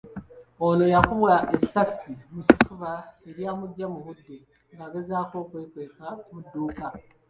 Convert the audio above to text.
Ono yakubwa essasi mu kifuba eryamuggya mu budde ng’agezaako okwekweka mu dduuka.